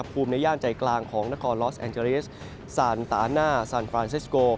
ว่าอุณหภูมิในย่างใจกลางของนครลอสแองเจอรีสสารตาน่าสานฟรานเซสโก